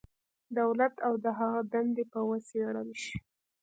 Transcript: دولت او د هغه دندې به وڅېړل شي.